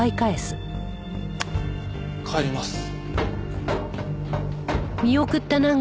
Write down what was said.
帰ります。